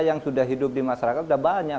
yang sudah hidup di masyarakat sudah banyak